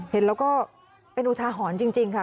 เห็นแล้วก็เป็นอุทาหรณ์จริงค่ะ